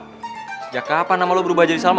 sejak kapan nama lo berubah jadi sama